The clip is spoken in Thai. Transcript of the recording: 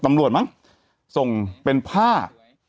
แต่หนูจะเอากับน้องเขามาแต่ว่า